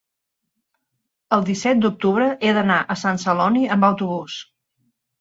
el disset d'octubre he d'anar a Sant Celoni amb autobús.